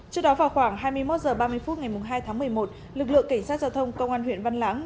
trước đó vào khoảng hai mươi một h ba mươi phút ngày hai tháng một mươi một lực lượng cảnh sát giao thông công an huyện văn lãng